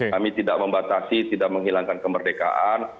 kami tidak membatasi tidak menghilangkan kemerdekaan